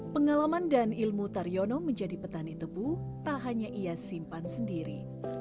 pengalaman dan ilmu taryono menjadi petani tebu tak hanya ia simpan sendiri